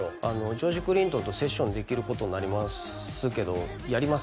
ジョージ・クリントンとセッションできることになりますけどやります？